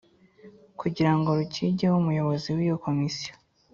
Kugirango rukigeho umuyobozi w iyo komisiyo